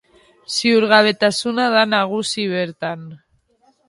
Ziurgabetasuna da nagusi bertan.